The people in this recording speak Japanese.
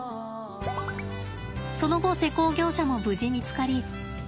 その後施工業者も無事見つかり